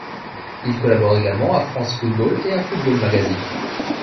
Il collabore également à France Football et à Football magazine.